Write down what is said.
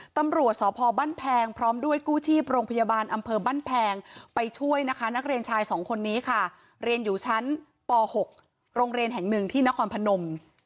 ตำรวจสพบ้านแพงพร้อมด้วยกู้ชีพโรงพยาบาลอำเภอบ้านแพงไปช่วยนะคะนักเรียนชายสองคนนี้ค่ะเรียนอยู่ชั้นป๖โรงเรียนแห่งหนึ่งที่นครพนม